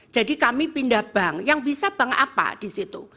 jadi kami pindah bank yang bisa bank apa di situ